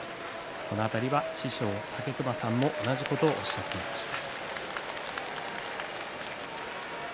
師匠の武隈さんも同じことをおっしゃっていました。